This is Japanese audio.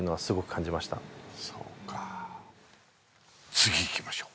次いきましょう